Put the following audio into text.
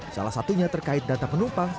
salah satunya terkait data penumpang